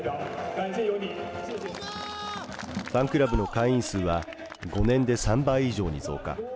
ファンクラブの会員数は５年で３倍以上に増加。